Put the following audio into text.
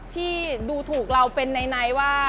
ที่ดูถูกเราเป็นไนท์ว่า